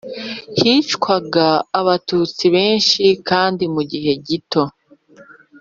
hicwaga Abatutsi benshi kandi mu gihe gito